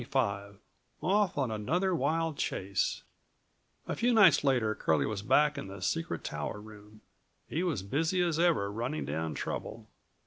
234 CHAPTER XXVOFF ON ANOTHER WILD CHASE A few nights later Curlie was back in the secret tower room. He was busy as ever running down trouble.